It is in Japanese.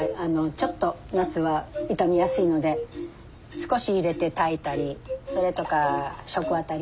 ちょっと夏は傷みやすいので少し入れて炊いたりそれとか食あたり。